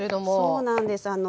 そうなんですはい。